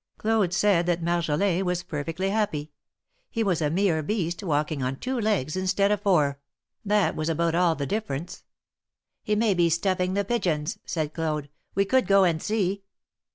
Claude said that Marjolin was perfectly happy. He was a mere beast, walking on two legs instead of four; that was about all the difference. '^He may be stuffing the pigeons," said Claude. We could go and see."